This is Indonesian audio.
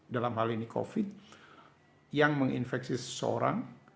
dalam hal ini covid yang menginfeksi seseorang